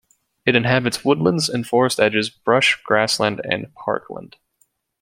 It inhabits woodlands and forest edges, brush, grassland, and parkland.